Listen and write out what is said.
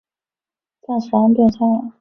暂时安顿下来